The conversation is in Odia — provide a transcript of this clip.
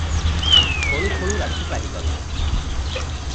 ଖୋଳୁ ଖୋଳୁ ରାତି ପାହିଗଲା ।